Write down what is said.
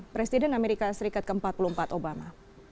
presiden amerika serikat ke empat puluh empat obama